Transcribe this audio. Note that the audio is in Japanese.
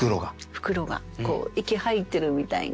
袋が息吐いてるみたいな。